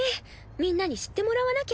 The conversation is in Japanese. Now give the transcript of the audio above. みんなに知ってもらわなきゃ。